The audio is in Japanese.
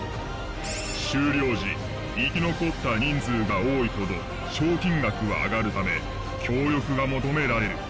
終了時生き残った人数が多いほど賞金額は上がるため協力が求められる。